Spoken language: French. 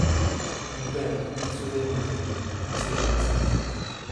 Mon père, ils se verront aujourd’hui ; ils se verront seuls.